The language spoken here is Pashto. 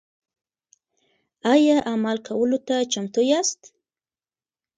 ایا عمل کولو ته چمتو یاست؟